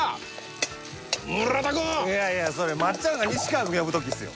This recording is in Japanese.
いやいやそれまっちゃんが西川君呼ぶ時っすよ